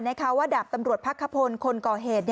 ว่าดาบตำรวจพักขพลคนก่อเหตุ